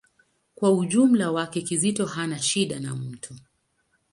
Kwa ujumla wake, Kizito hana shida na mtu.